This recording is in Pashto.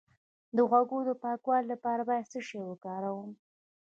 د غوږ د پاکوالي لپاره باید څه شی وکاروم؟